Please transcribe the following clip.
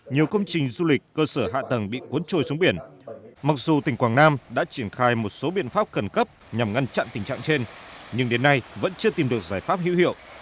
nhiều công trình du lịch cơ sở hạ tầng bị cuốn trôi xuống biển mặc dù tỉnh quảng nam đã triển khai một số biện pháp khẩn cấp nhằm ngăn chặn tình trạng trên nhưng đến nay vẫn chưa tìm được giải pháp hữu hiệu